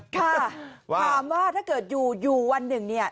ค่ะถามว่าถ้าเกิดอยู่อยู่วันหนึ่งเนี่ย